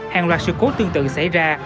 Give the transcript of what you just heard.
hàng loạt sự cố tương tự xảy ra